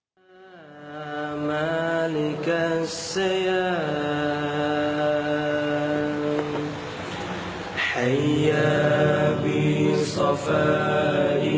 ค่ะและหลังจากนี้ได้รู้สึกว่าคนที่เขากำลังลืมผู้ชายต้องรบทางตลอดได้